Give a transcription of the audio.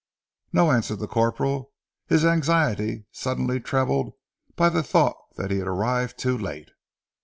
"No!" answered the corporal, his anxiety suddenly trebled by the thought that he had arrived too late.